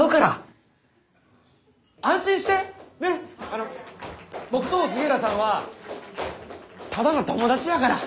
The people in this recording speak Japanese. あの僕と杉浦さんはただの友達やから。